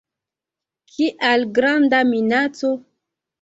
Kial granda minaco?